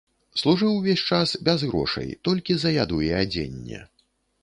Служыў увесь час без грошай, толькі за яду і адзенне.